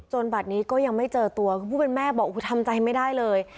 บัตรนี้ก็ยังไม่เจอตัวคือผู้เป็นแม่บอกทำใจไม่ได้เลย